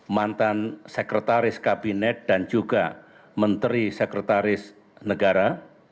mantan sekretaris kabinet dan juga menteri sekretaris negara